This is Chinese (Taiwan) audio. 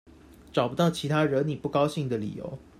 找不到其他惹你不高興的理由